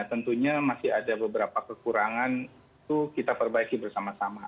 tentunya masih ada beberapa kekurangan itu kita perbaiki bersama sama